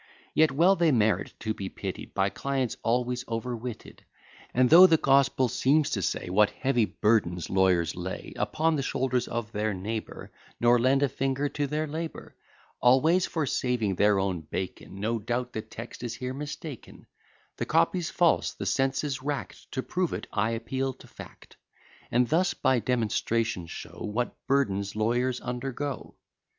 Yet well they merit to be pitied, By clients always overwitted. And though the gospel seems to say, What heavy burdens lawyers lay Upon the shoulders of their neighbour, Nor lend a finger to their labour, Always for saving their own bacon; No doubt, the text is here mistaken: The copy's false, the sense is rack'd: To prove it, I appeal to fact; And thus by demonstration show What burdens lawyers undergo.